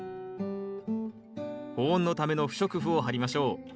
保温のための不織布を張りましょう。